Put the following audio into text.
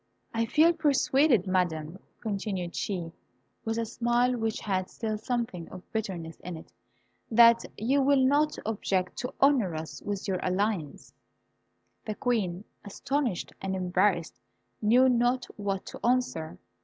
I feel persuaded, Madam," continued she, with a smile which had still something of bitterness in it, "that you will not object to honour us with your alliance." The Queen, astonished and embarrassed, knew not what to answer.